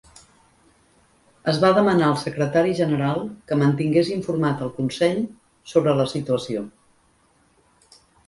Es va demanar al Secretari General que mantingués informat al Consell sobre la situació.